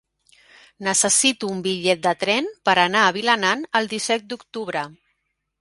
Necessito un bitllet de tren per anar a Vilanant el disset d'octubre.